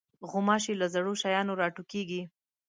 غوماشې له زړو شیانو راټوکېږي.